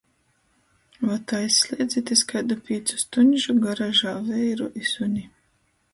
Vot aizsliedzit iz kaidu pīcu stuņžu garažā veiru i suni.